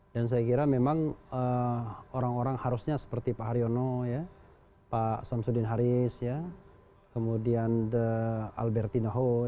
dan saya kira memang orang orang harusnya seperti pak haryono pak samsudin haris kemudian alberti naho